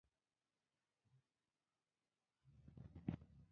فلم باید د زړه آواز واوري